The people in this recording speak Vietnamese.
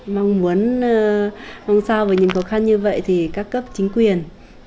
mong muốn mong sao với những khó khăn như vậy thì các cấp chính quyền